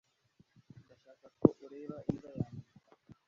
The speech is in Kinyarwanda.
ndashaka ko ureba imbwa yanjye